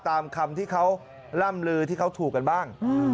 ตามคำที่เขาล่ำลือที่เขาถูกกันบ้าง